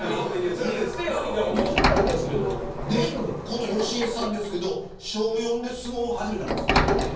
この義江さんですけど小４で相撲を始めたんですって。